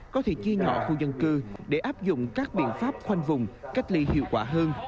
có thể chia nhỏ khu dân cư để áp dụng các biện pháp khoanh vùng cách ly hiệu quả hơn